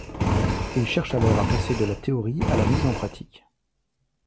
Il cherche alors à passer de la théorie à la mise en pratique.